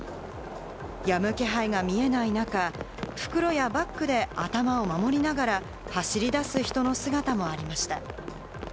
やむ気配が見えない中、袋やバッグで頭を守りながら走り出す人の姿もありました。